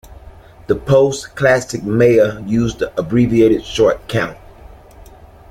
The post-Classic Maya used an abbreviated short count.